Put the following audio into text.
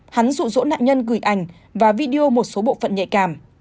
hắn rụ rỗ nạn nhân gửi ảnh và video một số bộ phận nhạy cảm